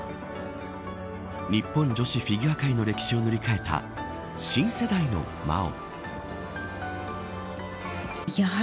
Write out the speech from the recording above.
日本女子フィギュア界の歴史を塗り替えた新世代の麻央。